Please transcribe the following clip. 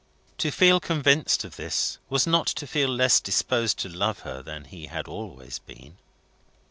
To feel convinced of this, was not to feel less disposed to love her than he had always been.